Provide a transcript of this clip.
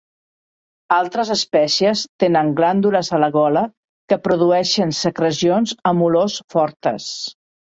Altres espècies tenen glàndules a la gola que produeixen secrecions amb olors fortes.